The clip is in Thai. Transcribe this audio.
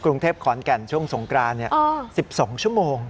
กรุงเทพขอนแก่นช่วงสงกราน๑๒ชั่วโมง